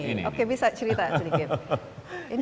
oke bisa cerita sedikit